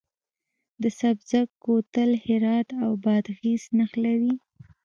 د سبزک کوتل هرات او بادغیس نښلوي